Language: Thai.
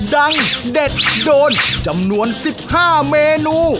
เด็ดโดนจำนวน๑๕เมนู